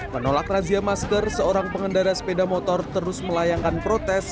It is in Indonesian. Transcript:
menolak razia masker seorang pengendara sepeda motor terus melayangkan protes